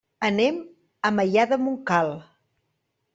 Anem a Maià de Montcal.